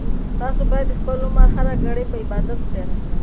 تاسو باید د خپل عمر هره ګړۍ په عبادت تېره کړئ.